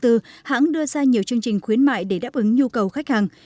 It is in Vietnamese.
hãng đưa ra nhiều chương trình khuyến mại để đáp ứng nhu cầu khách hàng